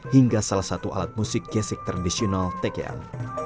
hingga salah satu alat musik gesek tradisional tekean